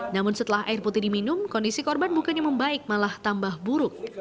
namun setelah air putih diminum kondisi korban bukannya membaik malah tambah buruk